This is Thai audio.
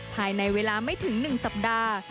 ภายในเวลาไม่ถึง๑สัปดาห์